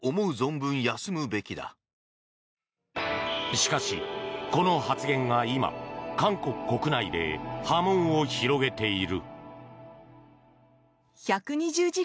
しかし、この発言が今、韓国国内で波紋を広げている。